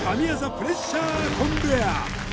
プレッシャーコンベア